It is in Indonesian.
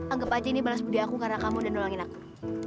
anggap aja ini balas budi aku karena kamu udah nuangin aku